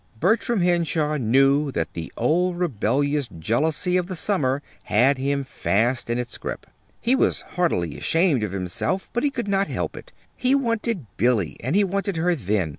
Bertram Henshaw knew that the old rebellious jealousy of the summer had him fast in its grip. He was heartily ashamed of himself, but he could not help it. He wanted Billy, and he wanted her then.